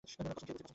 কসম খেয়ে বলছি।